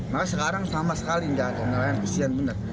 maka sekarang sama sekali gak ada nelayan isian benar